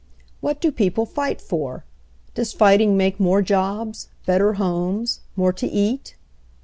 "What do people fight for? Does fighting make more jobs, better homes, more to eat?